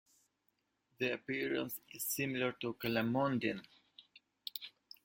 The appearance is similar to Calamondin.